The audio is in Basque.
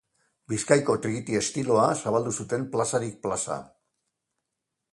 Bizkaiko trikiti estiloa zabaldu zuten plazarik plaza.